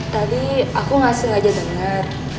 tadi aku nggak sengaja dengar